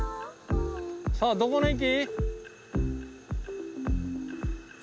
さあどこの駅？